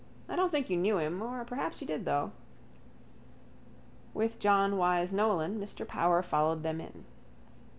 I don't think you knew him or perhaps you did, though. With John Wyse Nolan Mr Power followed them in.